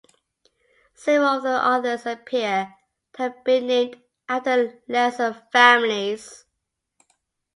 Several of the others appear to have been named after lesser families.